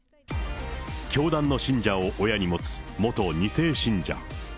教団の信者を親に持つ元２世信者。